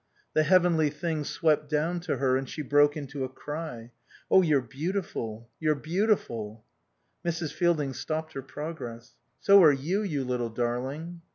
The heavenly thing swept down to her and she broke into a cry. "Oh, you're beautiful. You're beautiful." Mrs. Fielding stopped her progress. "So are you, you little darling."